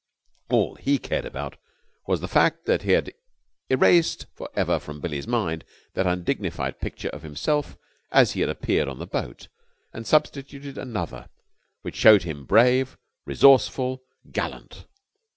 All he cared about was the fact that he had erased for ever from Billie's mind that undignified picture of himself as he had appeared on the boat, and substituted another which showed him brave, resourceful, gallant.